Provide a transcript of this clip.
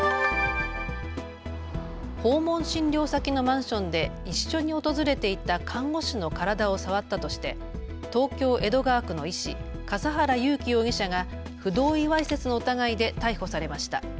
訪問診療先のマンションで一緒に訪れていた看護師の体を触ったとして東京江戸川区の医師、笠原優輝容疑者が不同意わいせつの疑いで逮捕されました。